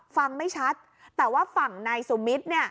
ฟังไม่ชัดแต่ว่าฝั่งนายสุมิตร